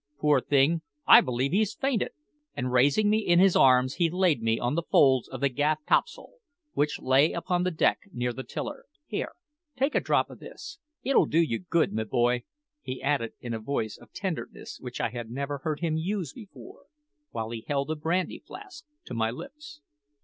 Poor thing! I believe he's fainted." And raising me in his arms he laid me on the folds of the gaff topsail, which lay upon the deck near the tiller. "Here, take a drop o' this; it'll do you good, my boy," he added in a voice of tenderness which I had never heard him use before, while he held a brandy flask to my lips.